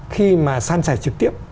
khi mà san sẻ trực tiếp